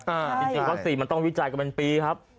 ปีเชียววัคซีนมันต้องวิจัยกับเป็นปีครับ